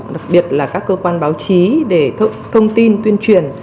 đặc biệt là các cơ quan báo chí để thông tin tuyên truyền